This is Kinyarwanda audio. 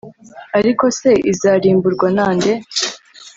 Ariko se izarimburwa nande